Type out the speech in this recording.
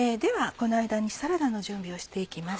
この間にサラダの準備をして行きます。